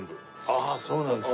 ああそうなんですね。